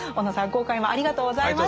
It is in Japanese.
今回もありがとうございました。